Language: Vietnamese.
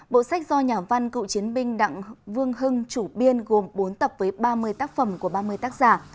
bộ sách do nhà văn cựu chiến binh đặng vương hưng chủ biên gồm bốn tập với ba mươi tác phẩm của ba mươi tác giả